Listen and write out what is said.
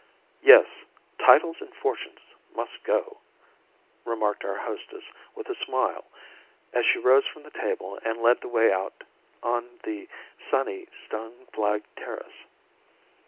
"Yes, titles and fortunes must go," remarked our hostess with a smile as she rose from the table and led the way out on the sunny, stone flagged terrace.